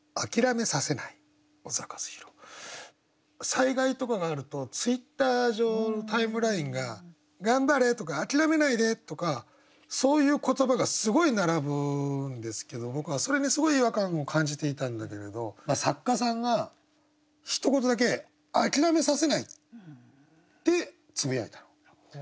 災害とかがあるとツイッター上のタイムラインが「頑張れ」とか「あきらめないで」とかそういう言葉がすごい並ぶんですけど僕はそれにすごい違和感を感じていたんだけれど作家さんがひと言だけ「あきらめさせない」ってつぶやいたの。